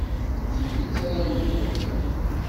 D tidet ay am-d-nniɣ.